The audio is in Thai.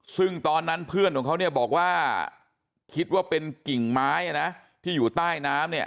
ซึ่งตอนนั้นเพื่อนของเขาเนี่ยบอกว่าคิดว่าเป็นกิ่งไม้นะที่อยู่ใต้น้ำเนี่ย